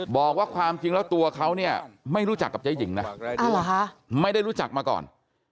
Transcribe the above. บอกว่าความจริงแล้วตัวเขาเนี่ยไม่รู้จักกับเจ๊หญิงนะไม่ได้รู้จักมาก่อน